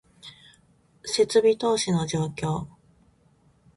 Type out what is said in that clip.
設備投資の状況